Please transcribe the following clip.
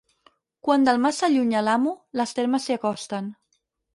Quan del mas s'allunya l'amo, les termes s'hi acosten.